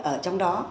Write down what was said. ở trong đó